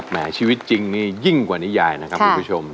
แม้ชีวิตจริงนี่ยิ่งกว่านิยายนะครับคุณผู้ชม